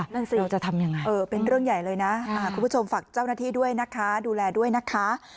นั่นสิเราจะทำยังไงเป็นเรื่องใหญ่เลยนะคุณผู้ชมฝากเจ้าหน้าที่ด้วยนะคะดูแลด้วยนะคะ